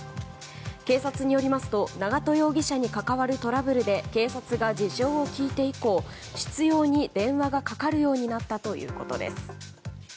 警察によりますと長門容疑者に関わるトラブルで警察が事情を聴いて以降執拗に電話がかかるようになったということです。